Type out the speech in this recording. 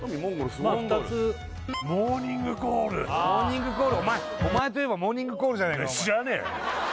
すごい「モーニングコール」お前といえばモーニングコールじゃねえか知らねえよ